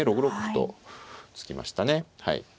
６六歩と突きましたね。